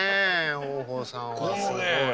豊豊さんはすごい。